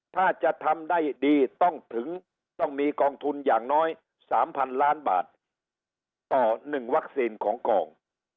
ถ้าจะทำได้ดีต้องถึงต้องมีกองทุนอย่างน้อย๓๐๐๐ล้านบาทต่อ๑วัคซีนของกอง